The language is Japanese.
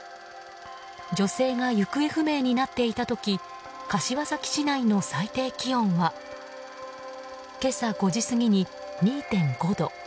女性が行方不明になっていた時柏崎市内の最低気温は今朝５時過ぎに２．５度。